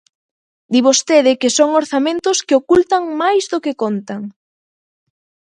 Di vostede que son orzamentos que ocultan máis do que contan.